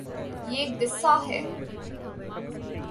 یے گصاہ ہے